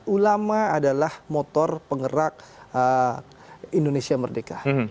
ulama adalah motor penggerak indonesia merdeka